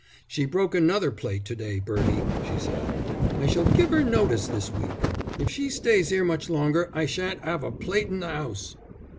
"She broke another plate to day, Bertie," she said. "I shall give 'er notice this week. If she stays 'ere much longer I shan't 'ave a plate in the 'ouse."